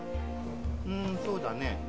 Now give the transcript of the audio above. うーんそうだねえ。